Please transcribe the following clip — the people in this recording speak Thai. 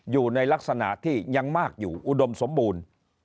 อยู่ในลักษณะที่ยังมากอยู่อุดมสมบูรณ์